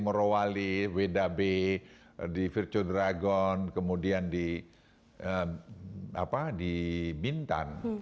seperti merowali wdb di virtuodragon kemudian di bintan